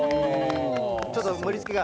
ちょっと盛りつけが。